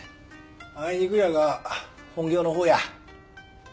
あいにくやが本業のほうや。